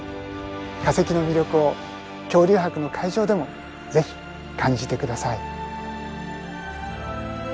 化石の魅力を恐竜博の会場でもぜひ感じて下さい。